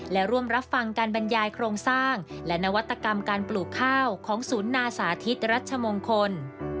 และร่วมรับฟังการบรรยายโครงสร้างและนวัตกรรมการปลูกข้าวของศูนย์นาสาธิตรัชมงคล